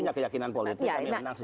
kami punya keyakinan politik